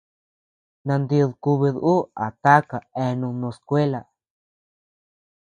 Nandid kubid ú a taka eanud no skuela.